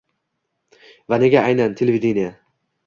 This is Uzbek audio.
va nega aynan... televideniye!?